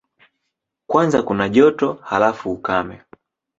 Kwanza kuna joto, halafu ukame.